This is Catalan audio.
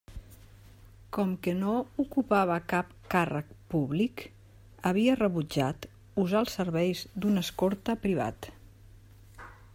Com que no ocupava cap càrrec públic, havia rebutjat usar els serveis d'un escorta privat.